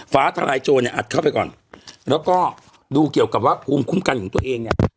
ทลายโจรเนี่ยอัดเข้าไปก่อนแล้วก็ดูเกี่ยวกับว่าภูมิคุ้มกันของตัวเองเนี่ย